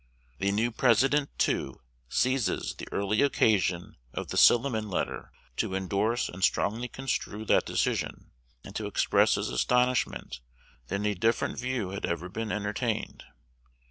The new President, too, seizes the early occasion of the Silliman letter to indorse and strongly construe that decision, and to express his astonishment that any different view had ever been entertained.